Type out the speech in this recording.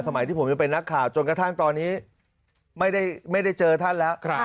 ที่ผมยังเป็นนักข่าวจนกระทั่งตอนนี้ไม่ได้เจอท่านแล้ว